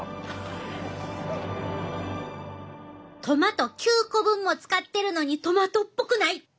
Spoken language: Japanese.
トマト９個分も使っているのにトマトっぽくない。